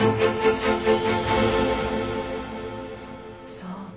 そう。